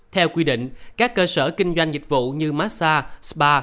theo quy định các cơ sở kinh doanh dịch vụ như massage spa